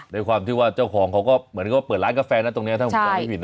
ด้วยความที่ว่าเจ้าของเขาก็เหมือนกับเปิดร้านกาแฟนะตรงนี้